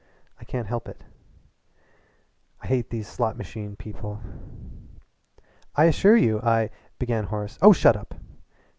"I can't help it." "I hate these slot machine people." "I assure you I " began Horace. "Oh shut up!"